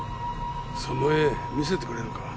その絵見せてくれるか？